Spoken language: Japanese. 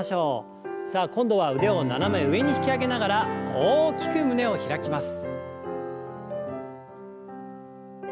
さあ今度は腕を斜め上に引き上げながら大きく胸を開きます。